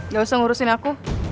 gak usah ngurusin aku